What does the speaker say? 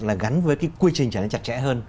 là gắn với cái quy trình trở nên chặt chẽ hơn